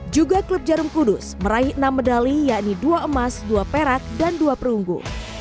juga klub jarum kudus meraih enam medali yakni dua emas dua perak dan dua perunggu